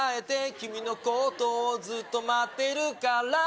君のことをずっと待ってるから